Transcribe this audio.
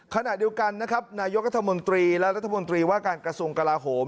ขณะเดียวกันนะครับนายกรัฐมนตรีและรัฐมนตรีว่าการกระทรวงกลาโหม